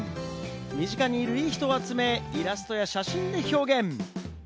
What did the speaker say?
身近にいるいい人を集め、イラストや写真で表現。